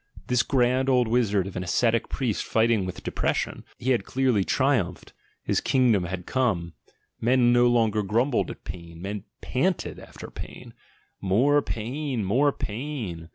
This grand old wizard of an ascetic priest fighting with de pression — he had clearly triumphed, his kingdom had come: men no longer grumbled at pain, men panted after pain: "More pain! More pain!"